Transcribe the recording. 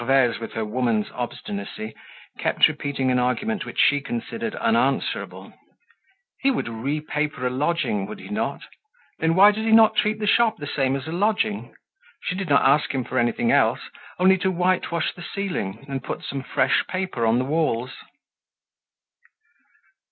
Gervaise, with her woman's obstinacy, kept repeating an argument which she considered unanswerable. He would repaper a lodging, would he not? Then, why did he not treat the shop the same as a lodging? She did not ask him for anything else—only to whitewash the ceiling, and put some fresh paper on the walls.